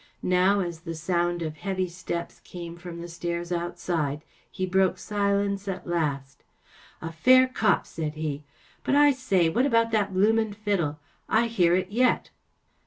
Now, as the sound of heavy steps came from the stairs outside, he broke silence at last. “ A fair cop f ‚ÄĚ said he. But, I say, what about that bloomin’ fiddle! I hear it yet.